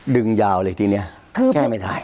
ดึงยาวเลยทีนี้แก้ไม่ได้